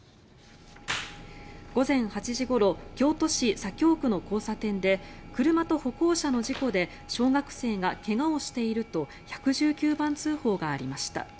午前８時ごろ京都市左京区の交差点で車と歩行者の事故で小学生が怪我をしていると１１９番通報がありました。